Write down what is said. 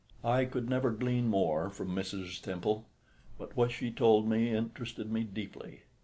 I could never glean more from Mrs. Temple; but what she told me interested me deeply.